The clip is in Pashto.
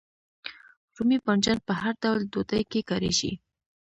رومي بانجان په هر ډول ډوډۍ کې کاریږي.